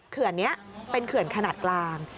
เขื่อนนี้เป็นเขื่อนขนาดกลาง